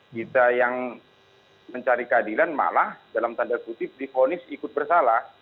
kita yang mencari keadilan malah dalam tanda kutip difonis ikut bersalah